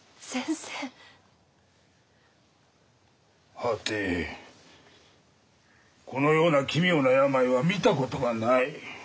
はてこのような奇妙な病は見たことがない。